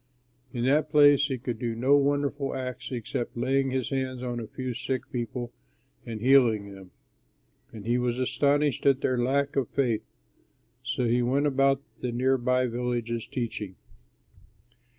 In that place he could do no wonderful acts except laying his hands on a few sick people and healing them; and he was astonished at their lack of faith. So he went about the near by villages teaching.